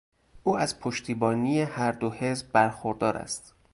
او از پشتیبانی هر دو حزب برخوردار است.